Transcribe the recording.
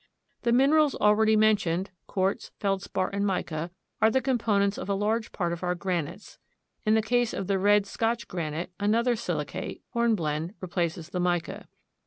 The minerals already mentioned, quartz, feldspar, and mica, are the components of a large part of our granites. In the case of the red Scotch granite, another silicate, hornblende, replaces the mica.